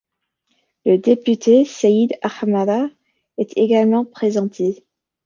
Le député Saïd Ahamada est également pressenti.